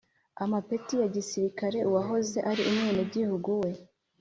amapeti ya gisirikari uwahoze ari umwenegihugu we,